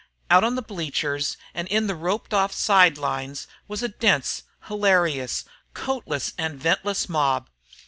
Out on the bleachers and in the roped off side lines was a dense, hilarious, coatless, and vestless mob.